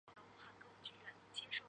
马特诺玛瀑布的一个瀑布。